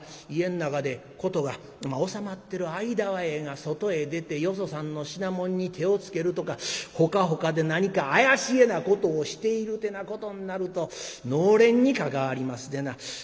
家ん中で事が収まってる間はええが外へ出てよそさんの品物に手をつけるとかほかほかで何か怪しげなことをしているてなことんなると暖簾に関わりますでな。